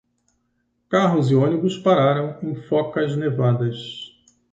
Carros e ônibus pararam em focas nevadas.